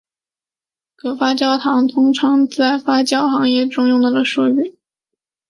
可发酵糖是通常在发酵行业用到的术语。